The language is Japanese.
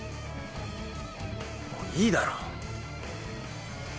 もういいだろ。